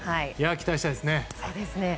期待したいですね。